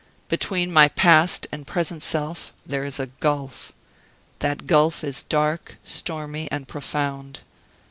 Between my past and present self there is a gulf; that gulf is dark, stormy, and profound.